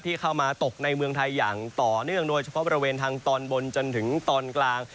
เข้ามาตกในเมืองไทยอย่างต่อเนื่องโดยเฉพาะบริเวณทางตอนบนจนถึงตอนกลาง